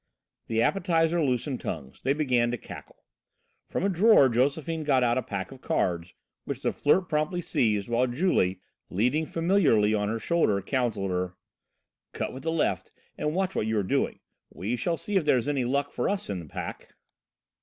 The appetiser loosened tongues: they began to cackle. From a drawer Josephine got out a pack of cards, which the Flirt promptly seized, while Julie, leaning familiarly on her shoulder, counselled her: "Cut with the left and watch what you are doing; we shall see if there's any luck for us in the pack."